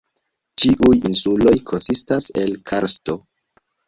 Ĉiuj insuloj konsistas el karsto.